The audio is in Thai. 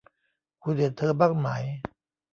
คุณเห็นเธอบ้างไหม